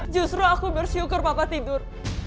justru aku bersyukur papa tidur